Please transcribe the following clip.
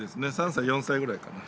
３歳４歳ぐらいかな？